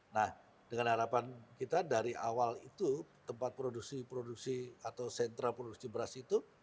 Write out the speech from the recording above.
nah dengan harapan kita dari awal itu tempat produksi produksi atau sentra produksi beras itu